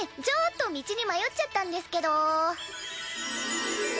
ちょっと道に迷っちゃったんですけど。